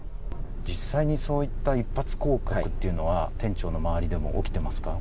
実際にそういった一発降格というのは、店長の周りでも起きてますか。